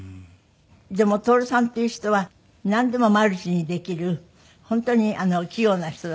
でも徹さんっていう人はなんでもマルチにできる本当に器用な人だったって。